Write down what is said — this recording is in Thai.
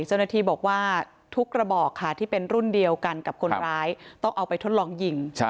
เจ้าหน้าที่บอกว่าทุกกระบอกค่ะที่เป็นรุ่นเดียวกันกับคนร้ายต้องเอาไปทดลองยิง